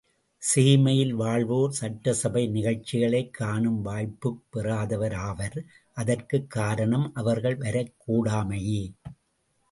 சேய்மையில் வாழ்வோர் சட்டசபை நிகழ்ச்சிகளைக் காணும் வாய்ப்புப் பெறாதவர் ஆவர். அதற்குக் காரணம் அவர்கள் வரக்கூடாமையே.